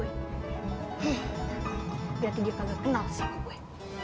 heeh berarti dia kagak kenal sama gue